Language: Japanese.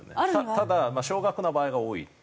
ただ少額な場合が多い。